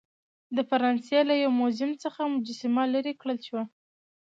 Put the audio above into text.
د فرانسې له یو موزیم څخه مجسمه لیرې کړل شوه.